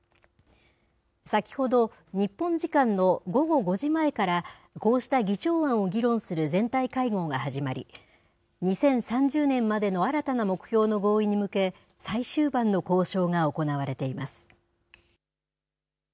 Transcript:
先ほど、日本時間の午後５時前から、こうした議長案を議論する全体会合が始まり、２０３０年までの新たな目標の合意に向け、最終盤の交渉が行われています。